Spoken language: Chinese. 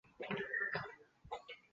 另外还有一种内置格式。